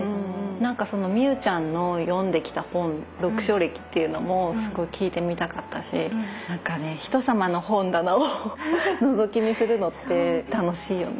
なんかその美雨ちゃんの読んできた本読書歴っていうのもすごい聞いてみたかったしなんかね人様の本棚をのぞき見するのって楽しいよね。